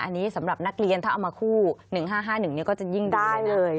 อันนี้สำหรับนักเรียนถ้าเอามาคู่๑๕๕๑ก็จะยิ่งได้เลย